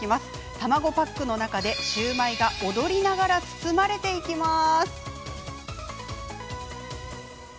卵パックの中でシューマイが踊りながら包まれていきます。